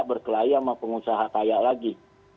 berkelahi sama pengusaha kaya lagi